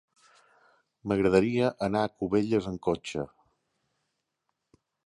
M'agradaria anar a Cubelles amb cotxe.